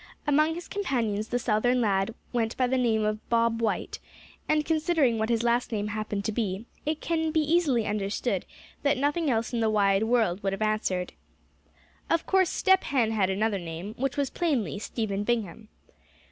Among his companions the Southern lad went by the name of "Bob White;" and considering what his last name happened to be, it can be easily understood that nothing else in the wide world would have answered. Of course Step Hen had another name, which was plainly Stephen Bingham.